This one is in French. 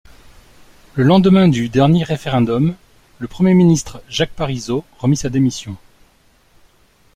Le lendemain du dernier référendum, le premier ministre Jacques Parizeau remit sa démission.